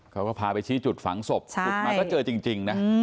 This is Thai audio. เขาก็พาไปชี้จุดฝังศพขุดมาก็เจอจริงนะ